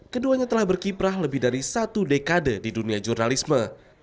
keduanya telah berkiprah lebih dari satu dekade di dunia jurnalisme